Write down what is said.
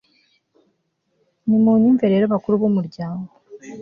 nimunyumve rero, bakuru b'umuryango